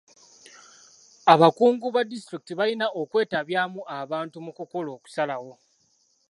Abakungu ba disitulikiti balina okwetabyamu abantu mu kukola okusalawo.